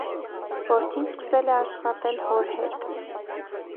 Որդին սկսել է աշխատել հոր հետ։